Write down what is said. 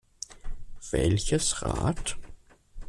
Welches Rad?